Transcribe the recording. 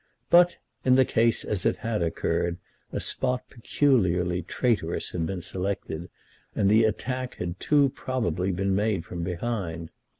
But, in the case as it had occurred, a spot peculiarly traitorous had been selected, and the attack had too probably been made from behind.